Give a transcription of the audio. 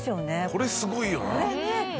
これすごいよな。